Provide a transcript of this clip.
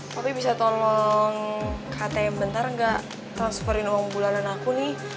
papi bisa tolong ke atm bentar gak transferin uang bulanan aku nih